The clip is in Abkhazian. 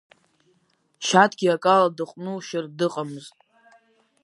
Шьаҭгьы акала дыҟәнушьартә дыҟамызт.